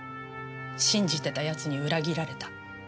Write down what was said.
信じてた奴に裏切られた。